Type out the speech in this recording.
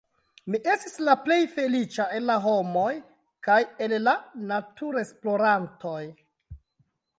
Mi estis la plej feliĉa el la homoj kaj el la naturesplorantoj!